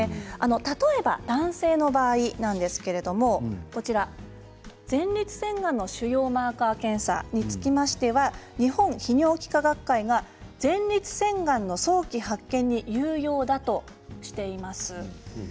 例えば男性の場合なんですけれども前立腺がんの腫瘍マーカー検査につきましては日本泌尿器科学会が前立腺がんの早期発見に有用だとしています。